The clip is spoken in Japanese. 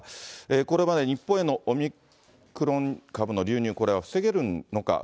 これまで日本へのオミクロン株の流入、これは防げるのか。